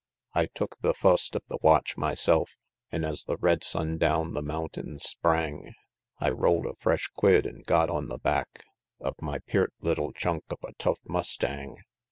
I took the fust of the watch myself; An' as the red sun down the mountains sprang, I roll'd a fresh quid, an' got on the back Of my peart leetle chunk of a tough mustang.